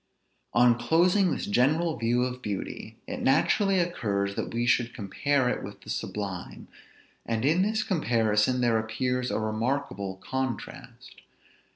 On closing this general view of beauty, it naturally occurs that we should compare it with the sublime; and in this comparison there appears a remarkable contrast.